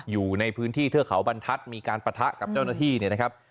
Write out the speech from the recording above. อยู่ในพื้นที่เทือกเขาบรรทัศน์มีการปะทะกับเจ้าหน้าที่เนี่ยนะครับ